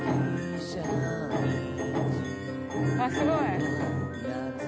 すごい。